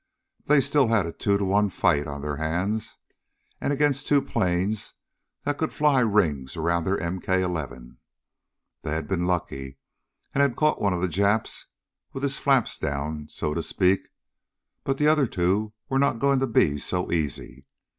They still had a two to one fight on their hands, and against two planes that could fly rings around their MK 11. They had been lucky and had caught one of the Japs with his "flaps down," so to speak, but the other two were not going to be so easy.